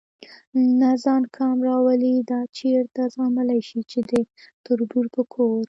نه ځان کم راولي، دا چېرته زغملی شي چې د تربور په کور.